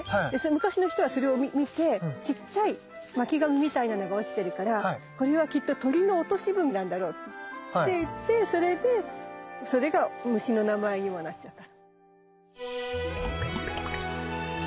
昔の人はそれを見てちっちゃい巻き紙みたいなのが落ちてるから「これはきっと鳥の『落とし文』なんだろう」っていってそれでそれが虫の名前にもなっちゃった。